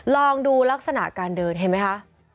ลองดูลักษณะการเดินเห็นไหมคะ